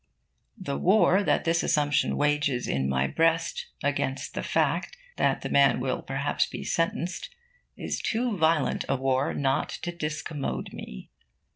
The war that this assumption wages in my breast against the fact that the man will perhaps be sentenced is too violent a war not to discommode me.